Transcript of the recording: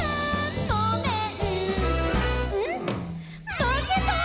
まけた」